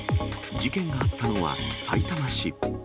事件があったのはさいたま市。